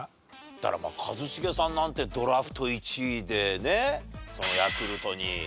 だからまあ一茂さんなんてドラフト１位でねヤクルトに入団されて。